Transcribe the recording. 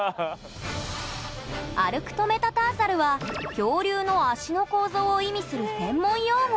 アルクトメタターサルは恐竜の脚の構造を意味する専門用語